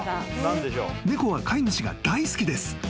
［猫は飼い主が大好きです。